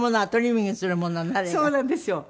そうなんですよ。